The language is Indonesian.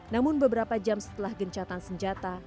namun beberapa jam setelah gencatan senjata